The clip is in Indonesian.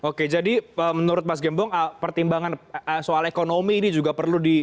oke jadi menurut mas gembong pertimbangan soal ekonomi ini juga perlu di